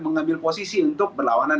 mengambil posisi untuk berlawanan